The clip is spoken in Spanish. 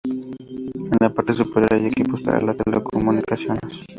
En la parte superior hay equipos para las telecomunicaciones.